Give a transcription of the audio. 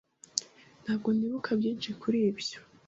Ntabwo nibuka byinshi kuri ibyo.